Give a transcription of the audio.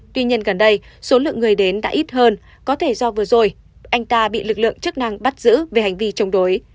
tuy nhiên gần đây số lượng người đến đã ít hơn có thể do vừa rồi anh ta bị lực lượng chức năng bắt giữ về hành vi chống đối